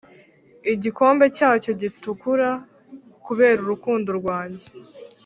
igikombe cyacyo gitukura kubera urukundo rwanjye.